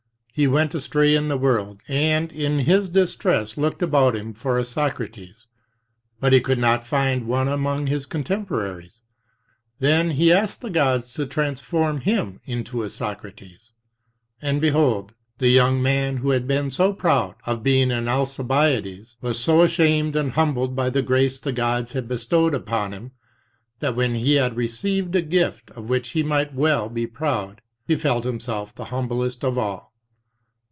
He went astray in the world, and in his distress looked about him for a Socrates; but he could not find one among his contemporaries. Then he asked the gods to trans form him into a Socrates. And behold, the young man who had been so proud of being an Alcibiades, was so shamed and humbled by the grace the gods had bestowed upon him, that when he had received a gift of which he might well be proud, he felt himself the humblest of all."